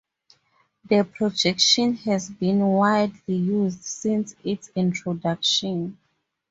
The projection has been widely used since its introduction.